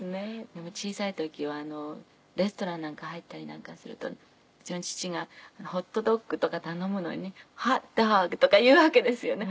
でも小さい時はレストランなんか入ったりなんかするとねうちの父がホットドッグとか頼むのにね「ｈｏｔｄｏｇ」とか言うわけですよね。